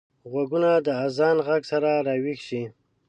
غوږونه د اذان غږ سره راويښ شي